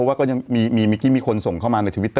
วันนี้มีรถแบบว่ารถกรรชน์